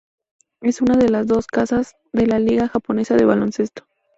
Es una de las dos casas de la liga japonesa de baloncesto.